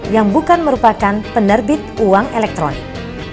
yang bukan merupakan penerbit uang elektronik